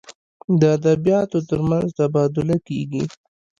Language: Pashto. د ادبیاتو تر منځ تبادله کیږي.